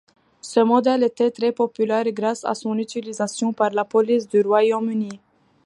Ce modèle était très populaire grâce à son utilisation par la police du Royaume-Uni.